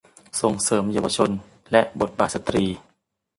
ส่งเสริมเยาวชนและบทบาทสตรี